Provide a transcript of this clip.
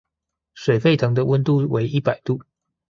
水沸騰的溫度為一百度